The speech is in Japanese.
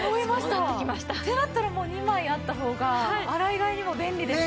ってなったら２枚あった方が洗い替えにも便利ですし。